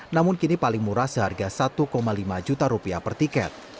namun kini paling murah seharga satu lima juta rupiah per tiket